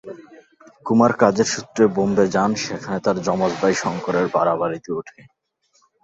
কুমার কাজের সূত্রে বোম্বে যান, সেখানে তার যমজ ভাই শঙ্করের ভাড়া বাড়িতে ওঠে।